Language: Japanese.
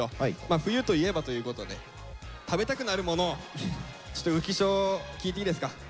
冬といえばということで食べたくなるものをちょっと浮所聞いていいですか？